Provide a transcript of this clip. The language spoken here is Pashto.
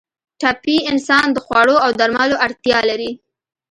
ټپي انسان د خوړو او درملو اړتیا لري.